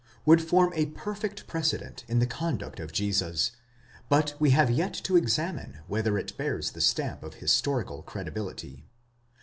would form a perfect precedent in the conduct of Jesus, but we have yet to examine whether it bears the stamp of historical credibility.